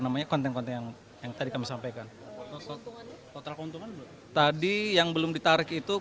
namanya konten konten yang tadi kami sampaikan total keuntungan tadi yang belum ditarik itu